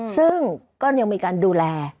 ซึ่งก็ยังมีการดูแล